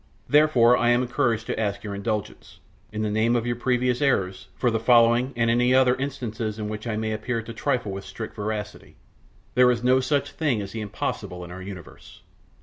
Therefore I am encouraged to ask your indulgence, in the name of your previous errors, for the following and any other instances in which I may appear to trifle with strict veracity. There is no such thing as the impossible in our universe!